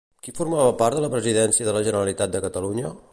Qui formava part de la Presidència de la Generalitat de Catalunya?